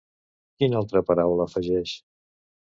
Quina altra paraula afegeix?